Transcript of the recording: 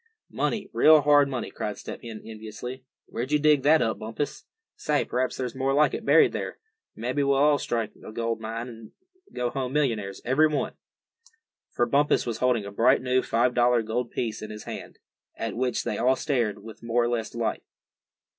"Money, real hard money!" cried Step Hen, enviously. "Where'd you dig that up, Bumpus? Say, p'raps there's more like it buried there. Mebbe we'll strike a gold mine, and go home millionaires, every one." For Bumpus was holding a bright new five dollar gold piece in his hand, at which they all stared with more or less delight.